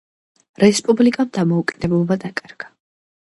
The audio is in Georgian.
რესპუბლიკამ დამოუკიდებლობა დაკარგა.